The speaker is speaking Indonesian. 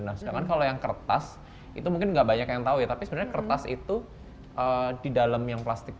nah sedangkan kalau yang kertas itu mungkin nggak banyak yang tahu ya tapi sebenarnya kertas itu di dalam yang plastik